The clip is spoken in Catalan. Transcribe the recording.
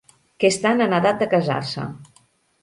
Que estan en edat de casar-se.